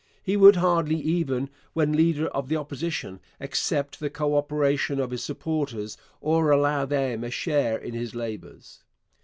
He would hardly even, when leader of the Opposition, accept the co operation of his supporters or allow them a share in his labours.